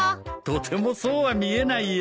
とてもそうは見えないよ。